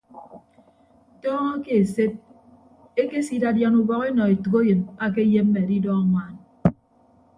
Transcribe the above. Tọọñọ ke eset ekesidadian ubọk enọ etәkeyịn akeyemme adidọ anwaan.